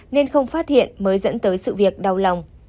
nên không phát hiện mới dẫn tới sự việc đau lòng